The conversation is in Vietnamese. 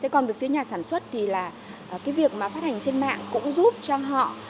còn về phía nhà sản xuất thì việc phát hành trên mạng cũng giúp cho họ